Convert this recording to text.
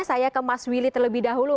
saya ke mas willy terlebih dahulu